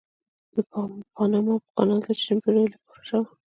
د پاناما کانال د شلمې پیړۍ لویه پروژه وه.